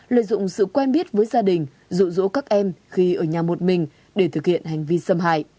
lợi dụng sự quen biết với gia đình dụ dỗ các em khi ở nhà một mình để thực hiện hành vi xâm hại